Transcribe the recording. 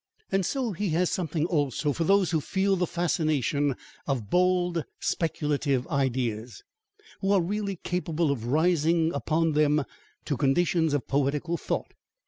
And so he has something, also, for those who feel the fascination of bold speculative ideas, who are really capable of rising upon them to conditions of poetical thought.